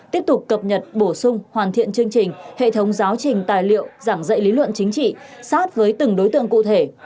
tiếp tục cập nhật bổ sung hoàn thiện chương trình hệ thống giáo trình tài liệu giảng dạy lý luận chính trị sát với từng đối tượng cụ thể